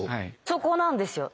そこなんですよ。